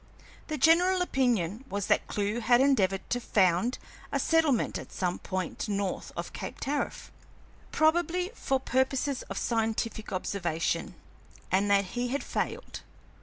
The general opinion was that Clewe had endeavored to found a settlement at some point north of Cape Tariff, probably for purposes of scientific observation, and that he had failed.